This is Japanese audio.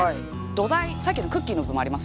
土台さっきのクッキーの部分ありますよね。